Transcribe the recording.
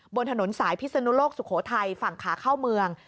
บนถนนสายพิศนุโลกสุโขทัยฝั่งขาเข้าเมือง